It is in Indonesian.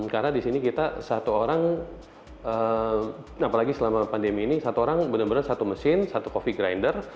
karena disini kita satu orang apalagi selama pandemi ini satu orang benar benar satu mesin satu coffee grinder